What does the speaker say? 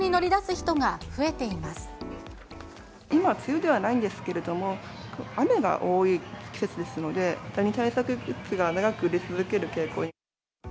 今、梅雨ではないんですけれども、雨が多い季節ですので、ダニ対策グッズが長く売れ続ける傾向に。